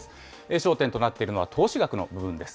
焦点となっているのは投資額の部分です。